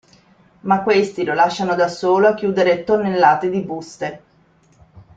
Ma questi lo lasciano da solo a chiudere tonnellate di buste.